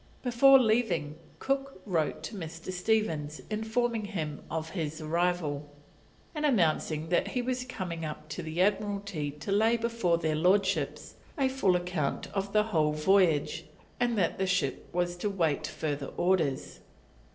Before leaving, Cook wrote to Mr. Stephens informing him of his arrival, and announcing that he was coming up to the Admiralty to lay before their Lordships a full account of the whole voyage, and that the ship was to await further orders.